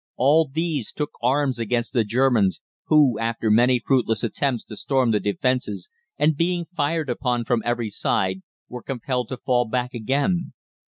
All these took arms against the Germans, who, after many fruitless attempts to storm the defences, and being fired upon from every side, were compelled to fall back again.